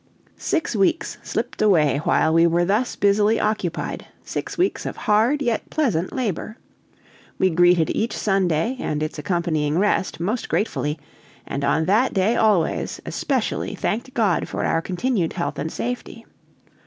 Six weeks slipped away while we were thus busily occupied, six weeks of hard, yet pleasant, labor. We greeted each Sunday and its accompanying rest most gratefully, and on that day always, especially thanked God for our continued health and safety.